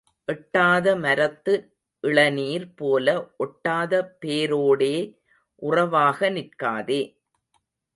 எட்டாத மரத்து இளநீர் போல ஒட்டாத பேரோடே உறவாக நிற்காதே.